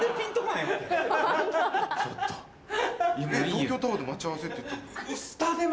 東京タワーで待ち合わせって言ってたからさ。